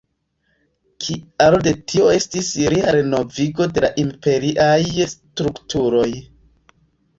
Kialo de tio estis lia renovigo de la imperiaj strukturoj.